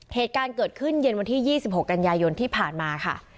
เหตุการณ์เกิดขึ้นเย็นวันที่๒๖กันยายนที่ผ่านมาค่ะ